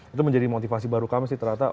itu menjadi motivasi baru kami sih ternyata